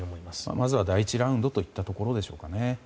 まずは第１ラウンドといったところでしょうかね。